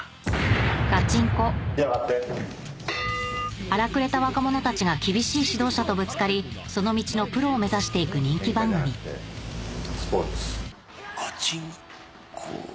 『ガチンコ！』荒くれた若者たちが厳しい指導者とぶつかりその道のプロを目指していく人気番組『ガチンコ！』。